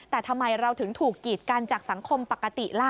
แต่ทำไมเราถึงถูกกีดกันจากสังคมปกติล่ะ